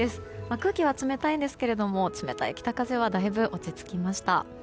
空気は冷たいですが冷たい北風はだいぶ落ち着きました。